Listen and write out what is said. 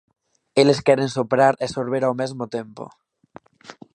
Eles queren soprar e sorber ao mesmo tempo.